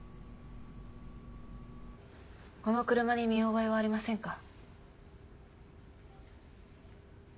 この車に見覚えはありませんか？